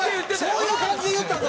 そういう感じで言ったぞ。